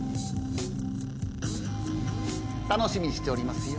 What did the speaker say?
楽しみにしておりますよ。